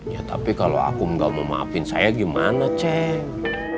ya tapi kalau akum gak mau memaafin saya gimana ceng